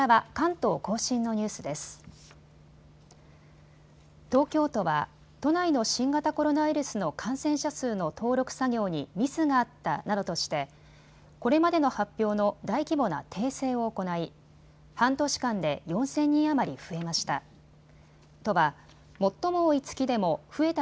東京都は都内の新型コロナウイルスの感染者数の登録作業にミスがあったなどとしてこれまでの発表の大規模な訂正を行い、半年間で４０００人余り増えました。